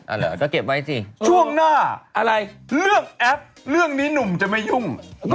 เหรอก็เก็บไว้สิช่วงหน้าอะไรเลือกแอปเรื่องนี้หนุ่มจะไม่ยุ่ง